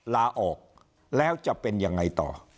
ลาออกแล้วจะเป็นยังไงต่อ